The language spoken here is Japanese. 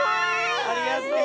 ありがとう。